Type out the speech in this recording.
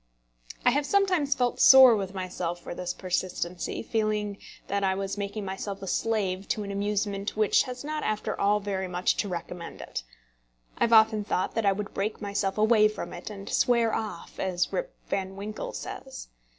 I have sometimes felt sore with myself for this persistency, feeling that I was making myself a slave to an amusement which has not after all very much to recommend it. I have often thought that I would break myself away from it, and "swear off," as Rip Van Winkle says.